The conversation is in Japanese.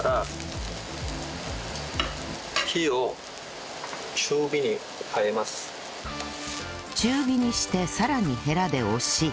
火を中火にしてさらにヘラで押し